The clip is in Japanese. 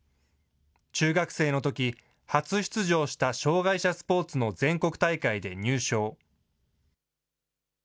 中学生のとき、初出場した障害者スポーツの全国大会で入賞。